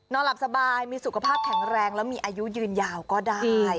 หลับสบายมีสุขภาพแข็งแรงแล้วมีอายุยืนยาวก็ได้